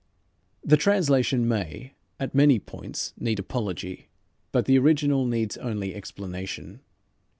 " The translation may, at many points, need apology, but the original needs only explanation.